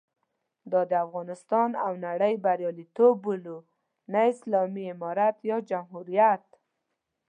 دا د افغانستان او نړۍ بریالیتوب بولو، نه اسلامي امارت یا جمهوریت.